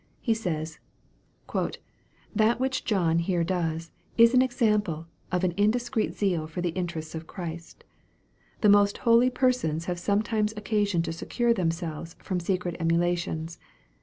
He says, " That which John here does, is an example of an in discreet zeal for the interests of Christ. The most holy persons have sometimes occasion to secure themselves from secret emulations.